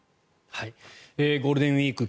ゴールデンウィーク